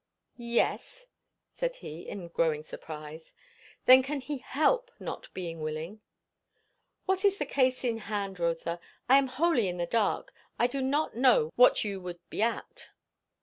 "Yes," said he, in growing surprise. "Then, can he help not being willing?" "What is the case in hand, Rotha? I am wholly in the dark. I do not know what you would be at."